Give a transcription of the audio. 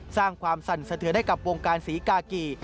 สร้างความสั่นสะเทือนให้กับวงการศรีกากี